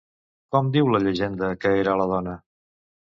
Com diu la llegenda que era la dona?